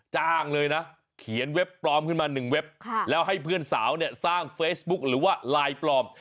จ้างเลยนะเขียนเว็บปลอมขึ้นมาหนึ่งเว็บแล้วให้เพื่อนสาวเนี่ยสร้างเฟซบุ๊กหรือว่าไลน์ปลอม